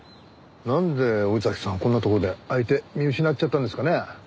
なんで尾崎さんはこんなとこで相手見失っちゃったんですかね？